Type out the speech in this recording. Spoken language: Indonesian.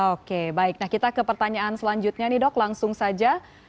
oke baik nah kita ke pertanyaan selanjutnya nih dok langsung saja